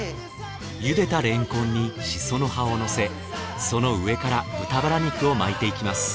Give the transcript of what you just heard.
茹でたレンコンにシソの葉をのせその上から豚バラ肉を巻いていきます